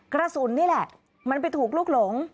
กระสุนนี่แหละมันไปถูกลูกหลง